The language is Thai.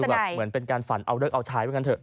คือแบบเหมือนเป็นการฝันเอาเดิกเอาชายไว้กันเถอะ